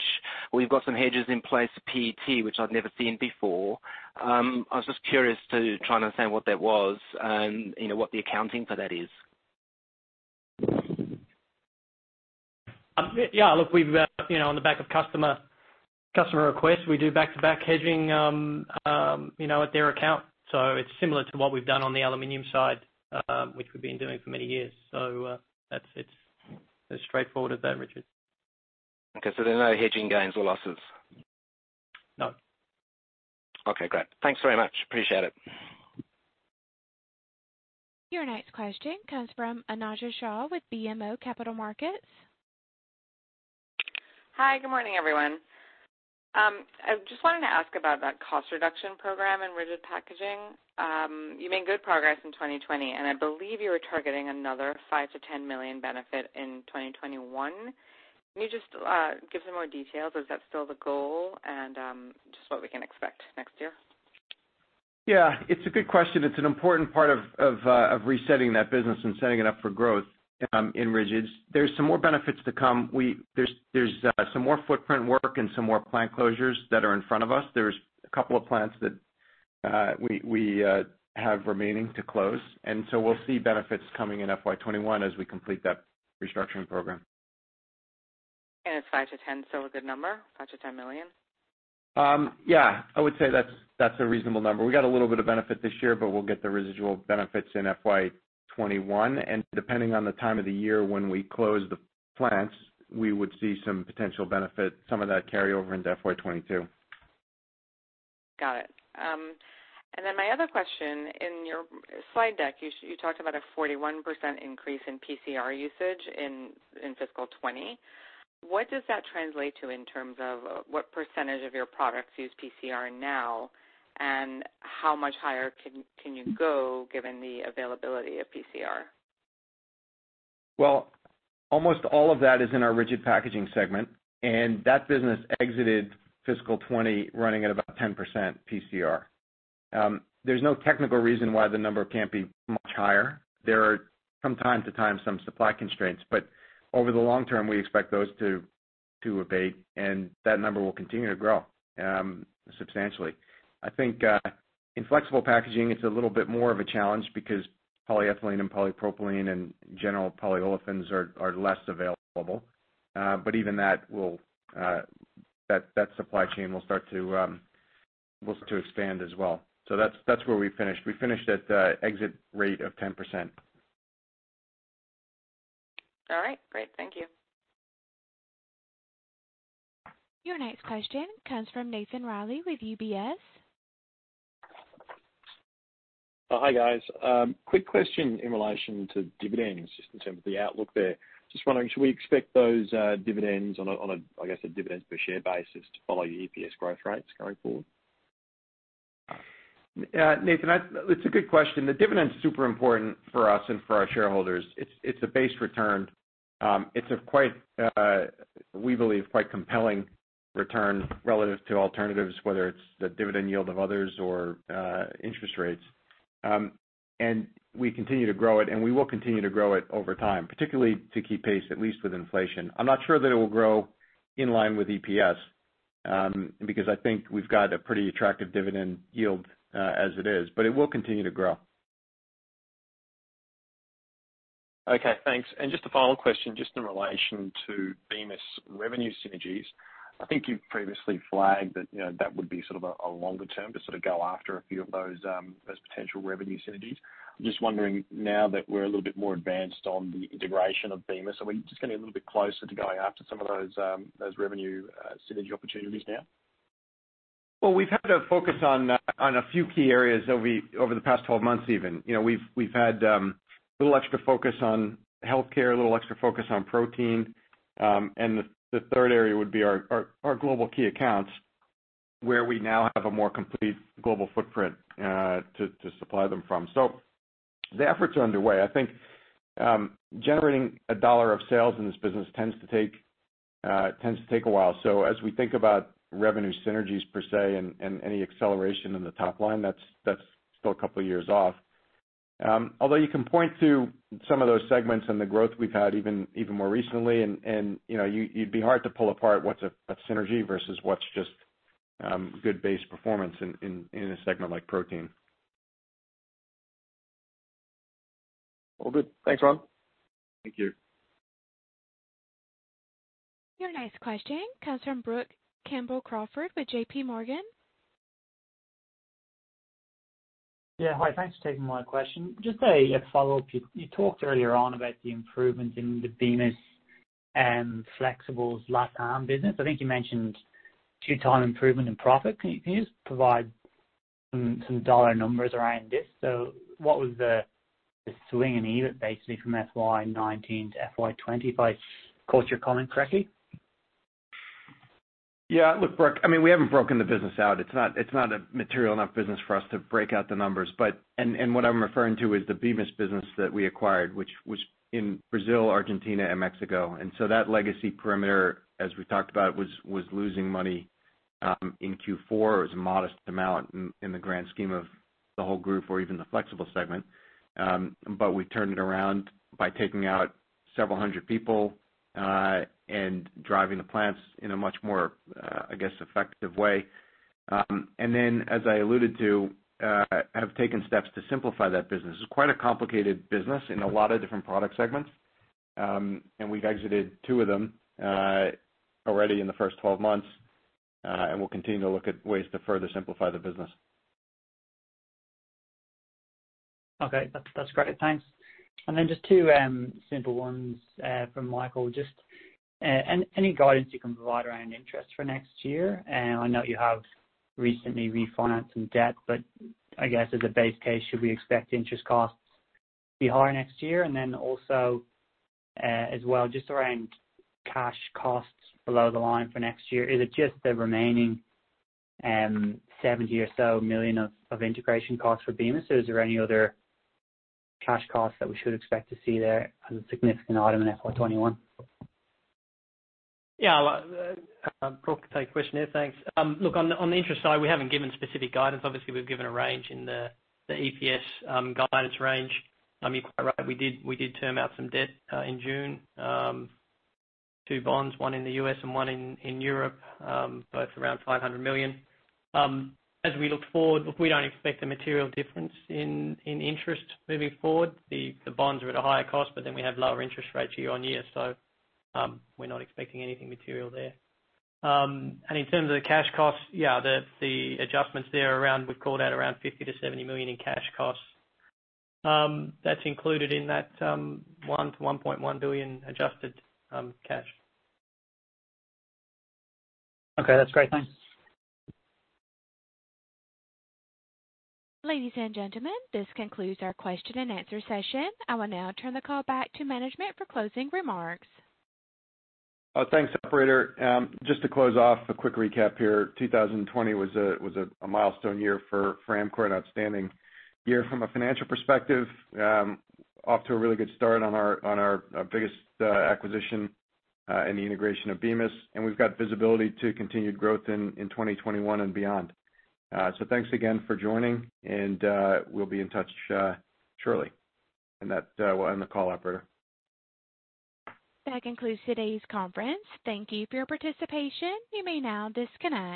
or you've got some hedges in place, PET, which I've never seen before. I was just curious to try and understand what that was and, you know, what the accounting for that is. Yeah, look, we've you know, on the back of customer requests, we do back-to-back hedging, you know, at their account. So it's similar to what we've done on the aluminum side, which we've been doing for many years. So, that's it. It's as straightforward as that, Richard. Okay, so there are no hedging gains or losses? No. Okay, great. Thanks very much. Appreciate it. Your next question comes from Anuja Shah with BMO Capital Markets. Hi, good morning, everyone. I just wanted to ask about that cost reduction program in Rigid Packaging. You made good progress in 2020, and I believe you were targeting another $5 million-$10 million benefit in 2021. Can you just give some more details? Is that still the goal? And just what we can expect next year. Yeah, it's a good question. It's an important part of resetting that business and setting it up for growth in rigids. There's some more benefits to come. There's some more footprint work and some more plant closures that are in front of us. There's a couple of plants that we have remaining to close, and so we'll see benefits coming in FY 2021 as we complete that restructuring program. It's 5-10, still a good number, $5 million-$10 million? Yeah, I would say that's a reasonable number. We got a little bit of benefit this year, but we'll get the residual benefits in FY 2021, and depending on the time of the year when we close the plants, we would see some potential benefit, some of that carry over into FY 2022.... Got it. And then my other question, in your slide deck, you talked about a 41% increase in PCR usage in fiscal 2020. What does that translate to in terms of what percentage of your products use PCR now? And how much higher can you go given the availability of PCR? Almost all of that is in our Rigid Packaging segment, and that business exited fiscal 2020, running at about 10% PCR. There's no technical reason why the number can't be much higher. There are, from time to time, some supply constraints, but over the long term, we expect those to abate, and that number will continue to grow substantially. I think in flexible packaging, it's a little bit more of a challenge because polyethylene and polypropylene and general polyolefins are less available. But even that supply chain will start to expand as well. So that's where we finished. We finished at the exit rate of 10%. All right, great. Thank you. Your next question comes from Nathan Reilly with UBS. Hi, guys. Quick question in relation to dividends, just in terms of the outlook there. Just wondering, should we expect those, dividends on a, I guess, a dividends per share basis to follow your EPS growth rates going forward? Nathan, it's a good question. The dividend's super important for us and for our shareholders. It's a base return. It's quite, we believe, quite compelling return relative to alternatives, whether it's the dividend yield of others or interest rates. And we continue to grow it, and we will continue to grow it over time, particularly to keep pace, at least with inflation. I'm not sure that it will grow in line with EPS, because I think we've got a pretty attractive dividend yield, as it is, but it will continue to grow. Okay, thanks. And just a final question, just in relation to Bemis revenue synergies. I think you've previously flagged that, you know, that would be sort of a longer term to sort of go after a few of those potential revenue synergies. Just wondering now that we're a little bit more advanced on the integration of Bemis, are we just getting a little bit closer to going after some of those revenue synergy opportunities now? Well, we've had to focus on a few key areas over the past twelve months even. You know, we've had a little extra focus on healthcare, a little extra focus on protein, and the third area would be our global key accounts, where we now have a more complete global footprint to supply them from. So the efforts are underway. I think generating a dollar of sales in this business tends to take a while. So as we think about revenue synergies per se, and any acceleration in the top line, that's still a couple of years off. Although you can point to some of those segments and the growth we've had even more recently, and you know, you'd be hard to pull apart what's a synergy versus what's just good base performance in a segment like protein. All good. Thanks, Ron. Thank you. Your next question comes from Brook Campbell-Crawford with J.P. Morgan. Yeah, hi. Thanks for taking my question. Just a follow-up. You talked earlier on about the improvement in the Bemis and Flexibles LatAm business. I think you mentioned two-time improvement in profit. Can you just provide some dollar numbers around this? So what was the swing in EBIT, basically, from FY 2019 to FY 2020, if I caught your comment correctly? Yeah. Look, Brooke, I mean, we haven't broken the business out. It's not a material enough business for us to break out the numbers. But and what I'm referring to is the Bemis business that we acquired, which was in Brazil, Argentina, and Mexico. And so that legacy perimeter, as we talked about, was losing money. In Q4, it was a modest amount in the grand scheme of the whole group or even the Flexibles segment. But we turned it around by taking out several hundred people, and driving the plants in a much more, I guess, effective way. And then, as I alluded to, have taken steps to simplify that business. It's quite a complicated business in a lot of different product segments. and we've exited two of them already in the first 12 months, and we'll continue to look at ways to further simplify the business. Okay. That's great. Thanks. And then just two simple ones from Michael. Just any guidance you can provide around interest for next year? And I know you have recently refinanced some debt, but I guess, as a base case, should we expect interest costs to be higher next year? And then also, as well, just around cash costs below the line for next year, is it just the remaining $70 or so million of integration costs for Bemis? Or is there any other cash costs that we should expect to see there as a significant item in FY 2021? Yeah, Brooke, take the question here. Thanks. Look, on the interest side, we haven't given specific guidance. Obviously, we've given a range in the EPS guidance range. You're quite right, we did term out some debt in June, two bonds, one in the U.S. and one in Europe, both around $500 million. As we look forward, we don't expect a material difference in interest moving forward. The bonds are at a higher cost, but then we have lower interest rates year on year, so we're not expecting anything material there. And in terms of the cash costs, yeah, the adjustments there around, we've called out around $50-$70 million in cash costs. That's included in that $1-$1.1 billion adjusted cash. Okay, that's great. Thanks. Ladies and gentlemen, this concludes our question and answer session. I will now turn the call back to management for closing remarks. Thanks, operator. Just to close off, a quick recap here. 2020 was a milestone year for Amcor, an outstanding year from a financial perspective. Off to a really good start on our biggest acquisition and the integration of Bemis, and we've got visibility to continued growth in 2020-one and beyond, so thanks again for joining, and we'll be in touch shortly, and that will end the call, operator. That concludes today's conference. Thank you for your participation. You may now disconnect.